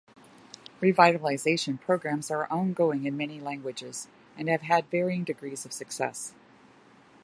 Revitalization programs are ongoing in many languages, and have had varying degrees of success.